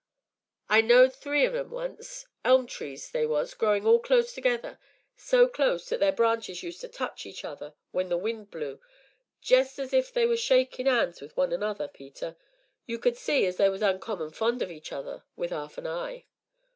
I knowed three on 'em once elm trees they was growin' all close together, so close that their branches used to touch each other when the wind blew, jest as if they was a shakin' 'ands wi' one another, Peter. You could see as they was uncommon fond of each other, wi' half an eye.